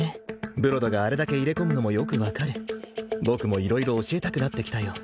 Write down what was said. ブロドがあれだけ入れ込むのもよく分かる僕も色々教えたくなってきたよ